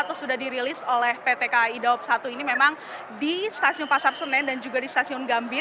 atau sudah dirilis oleh pt kai dawab satu ini memang di stasiun pasar senen dan juga di stasiun gambir